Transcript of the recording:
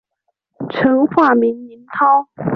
曾化名林涛。